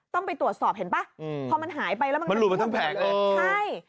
ต้องไปตรวจสอบเห็นป่ะอืมพอมันหายไปแล้วมันหลุดมาทั้งแผงเลยใช่